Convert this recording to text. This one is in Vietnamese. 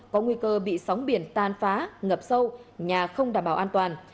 có nguy cơ bị sóng biển tàn phá ngập sâu nhà không đảm bảo an toàn